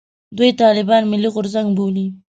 دوی طالبان «ملي غورځنګ» بولي.